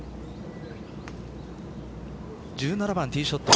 １７番ティーショット